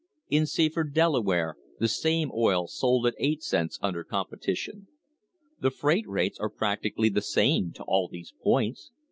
In Seaford, Delaware, the same oil sold at 8 cents under competition. The freight rates are practically the same to all these points.